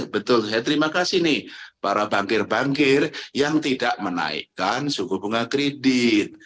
betul saya terima kasih nih para bankir bankir yang tidak menaikkan suku bunga kredit